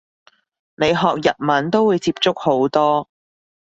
你學日文都會接觸好多